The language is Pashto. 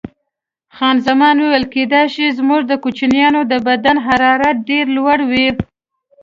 خان زمان وویل: کېدای شي، زموږ د کوچنیانو د بدن حرارت ډېر لوړ وي.